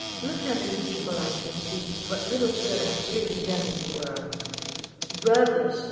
Look how many people I've deceived, what little good I've really done in the world " "Rub bish!